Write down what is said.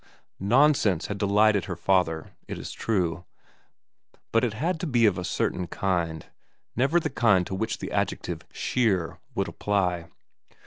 Nonsense had delighted her father, it is true, but it had to be of a certain kind ; never the kind to which the adjective ' sheer ' would apply.